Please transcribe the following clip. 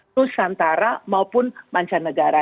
nusantara maupun mancanegara